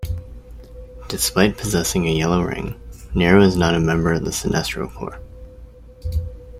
Despite possessing a yellow ring, Nero is not a member of the Sinestro Corps.